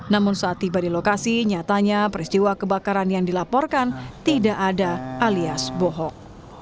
namun saat tiba di lokasi nyatanya peristiwa kebakaran yang dilaporkan tidak ada alias bohong